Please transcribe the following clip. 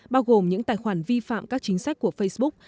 bao gồm những tài khoản vi phạm các chính sách của facebook